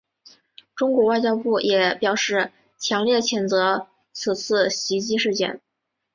中国外交部也表示强烈谴责此次袭击事件。